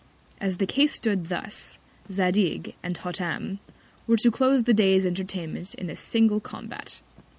As the Case stood thus, Zadig and Hottam were to close the Day's Entertainment in a single Combat.